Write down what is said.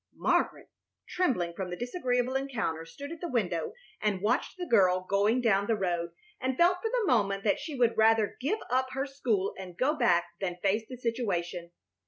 Margaret, trembling from the disagreeable encounter, stood at the window and watched the girl going down the road, and felt for the moment that she would rather give up her school and go back home than face the situation.